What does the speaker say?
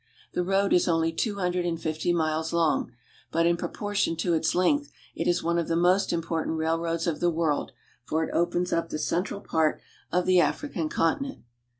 The road is only two hundred and fifty miles long ; but in pro portion to its length it is one of the most important railroads of the world, for it opens up the central part of the African continent.